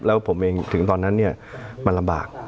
แล้วผมเองถึงตอนนั้นเนี่ยมันลำบาก